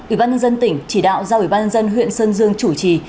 ủy ban nhân dân tỉnh chỉ đạo giao ủy ban nhân dân huyện sơn dương chủ trì